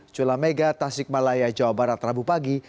cula mega tasik malaya jawa barat rabu pagi